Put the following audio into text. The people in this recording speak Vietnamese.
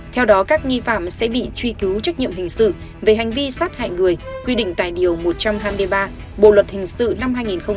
theo đó các nghi phạm sẽ bị truy cứu trách nhiệm hình sự về hành vi sát hại người quy định tài điều một trăm hai mươi ba bộ luật hình sự năm hai nghìn một mươi năm